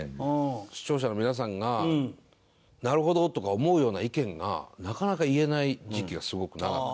視聴者の皆さんが「なるほど」とか思うような意見がなかなか言えない時期がすごく長くて。